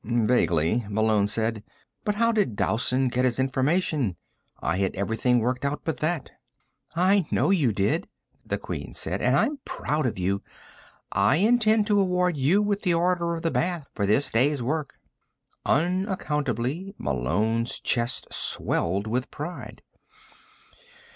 "Vaguely," Malone said. "But how did Dowson get his information? I had everything worked out but that." "I know you did," the Queen said, "and I'm proud of you. I intend to award you with the Order of the Bath for this day's work." Unaccountably, Malone's chest swelled with pride.